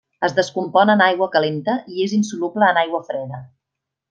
Es descompon en aigua calenta i és insoluble en aigua freda.